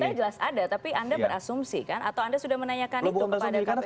anda jelas ada tapi anda berasumsi kan atau anda sudah menanyakan itu kepada kpk